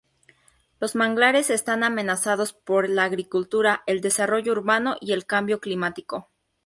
Los manglares están amenazados por la agricultura, el desarrollo urbano y el cambio climático.